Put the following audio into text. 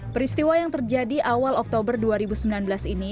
peristiwa yang terjadi awal oktober dua ribu sembilan belas ini